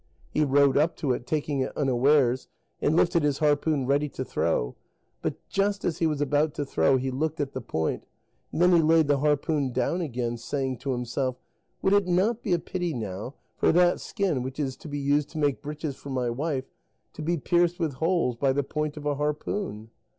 He rowed up to it, taking it unawares, and lifted his harpoon ready to throw, but just as he was about to throw, he looked at the point, and then he laid the harpoon down again, saying to himself: "Would it not be a pity, now, for that skin, which is to be used to make breeches for my wife, to be pierced with holes by the point of a harpoon?"